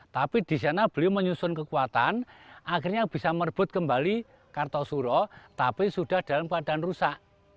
tapi di sana beliau menyusun kekuatan akhirnya bisa merebut kembali kartosuro tapi sudah dalam keadaan rusak